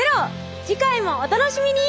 次回もお楽しみに！